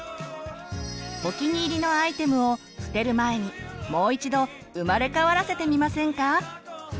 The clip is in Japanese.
お気に入りのアイテムを捨てる前にもう一度生まれ変わらせてみませんか！